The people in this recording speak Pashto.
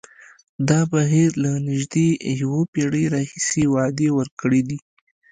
دا بهیر له نژدې یوه پېړۍ راهیسې وعدې ورکړې دي.